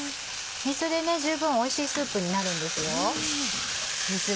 水で十分おいしいスープになるんですよ。